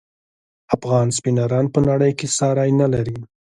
افغان سپینران په نړۍ کې ساری نلري.